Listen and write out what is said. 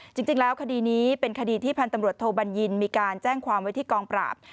จริงแล้วคดีนี้เป็นคดีที่พันธุ์ตำรวจโทบัญญินมีการแจ้งความไว้ที่กองปราบ